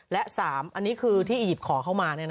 และ๓อันนี้คือที่อียิปต์ขอเข้ามา